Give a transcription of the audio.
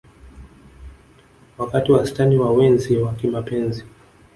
Wakati wastani wa wenzi wa kimapenzi